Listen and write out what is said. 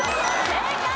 正解！